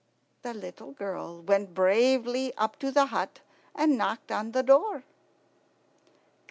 The little girl went bravely up to the hut and knocked on the door.